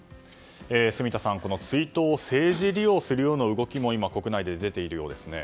住田さん、この追悼を政治利用する動きも国内で出ているようですね。